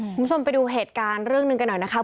คุณผู้ชมไปดูเหตุการณ์เรื่องหนึ่งกันหน่อยนะครับ